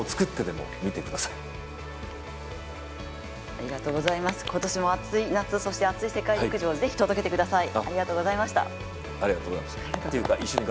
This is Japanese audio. ありがとうございます、今年も暑い夏そして暑い世界陸上をぜひ、届けてください。